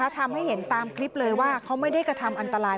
ทำให้เห็นตามคลิปเลยว่าเขาไม่ได้กระทำอันตราย